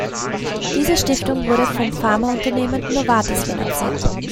Diese Stiftung wurde vom Pharmaunternehmen Novartis finanziert.